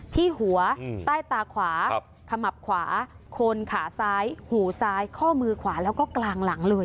ที่หัวใต้ตาขวาขมับขวาโคนขาซ้ายหูซ้ายข้อมือขวาแล้วก็กลางหลังเลย